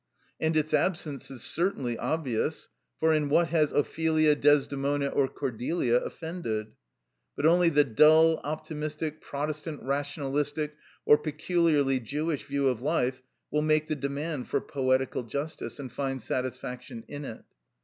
And its absence is certainly obvious, for in what has Ophelia, Desdemona, or Cordelia offended? But only the dull, optimistic, Protestant rationalistic, or peculiarly Jewish view of life will make the demand for poetical justice, and find satisfaction in it.